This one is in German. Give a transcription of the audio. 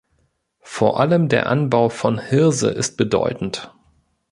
Vor allem der Anbau von Hirse ist bedeutend.